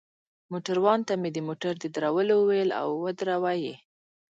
موټروان ته مې د موټر د درولو وویل، او ودروه يې.